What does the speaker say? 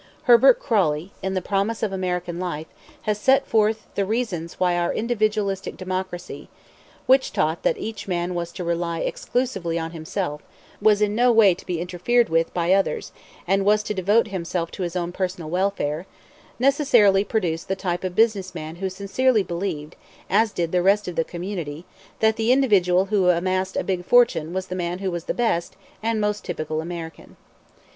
Herbert Croly, in "The Promise of American Life," has set forth the reasons why our individualistic democracy which taught that each man was to rely exclusively on himself, was in no way to be interfered with by others, and was to devote himself to his own personal welfare necessarily produced the type of business man who sincerely believed, as did the rest of the community, that the individual who amassed a big fortune was the man who was the best and most typical American.